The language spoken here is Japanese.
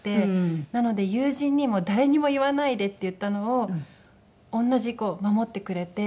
なので友人にも誰にも言わないでって言ったのを同じこう守ってくれて。